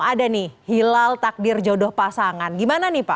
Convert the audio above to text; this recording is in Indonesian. ada nih hilal takdir jodoh pasangan gimana nih pak